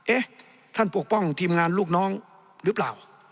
เอ๊ะท่านปกป้องทีมงานลูกน้องหรือเปล่า